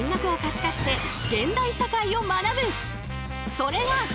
それが。